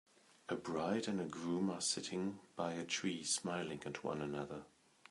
A bride and a groom are sitting by a tree smiling at one another.